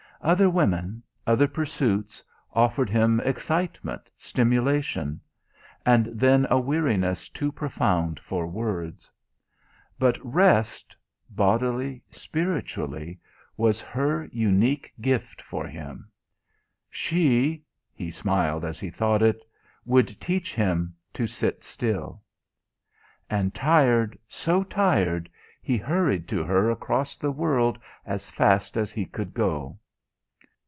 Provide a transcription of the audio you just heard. Other women, other pursuits, offered him excitement, stimulation and then a weariness too profound for words. But rest, bodily, spiritually, was her unique gift for him. She he smiled as he thought it would teach him to sit still. And tired, so tired, he hurried to her across the world as fast as he could go.